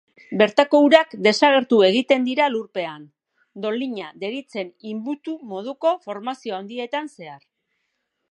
Bertako urak desagertu egiten dira lurpean, dolina deritzen inbutu moduko formazio handietan zehar.